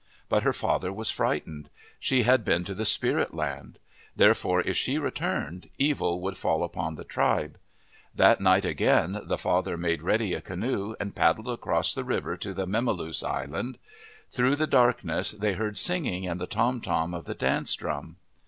But her father was frightened. She had been to the spirit land. Therefore, if she returned, evil would fall upon the tribe. That night again the father made ready a canoe and paddled across the river to the memaloose island. Through the darkness, they heard singing and the tom tom of the dance drum.